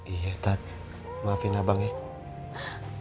iya tat maafin abangnya